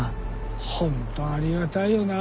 ホントありがたいよな。